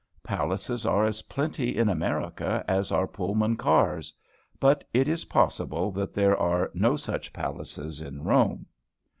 Palaces are as plenty in America as are Pullman cars. But it is possible that there are no such palaces in Rome.